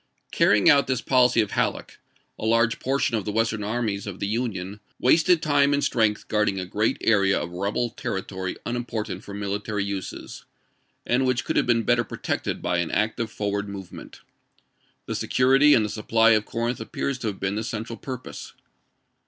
Carrying out this policy of Halleck, a large por tion of the Western armies of the Union wasted 352 ABRAHAM LINCOLN Chap. XIX. time and strength guarding a great area of rebel territory unimportant for military uses, and which could have been better protected by an active for ward movement. The security and the supply of Corinth appears to have been the central purpose.